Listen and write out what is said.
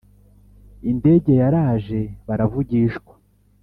indege yaraje baravugishwa